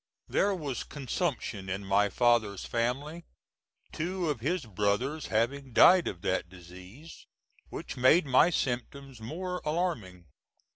There was consumption in my father's family, two of his brothers having died of that disease, which made my symptoms more alarming.